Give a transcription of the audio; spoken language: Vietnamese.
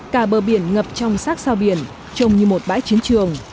cả bờ biển ngập trong sát sao biển trông như một bãi chiến trường